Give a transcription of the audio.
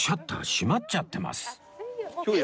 閉まっちゃってます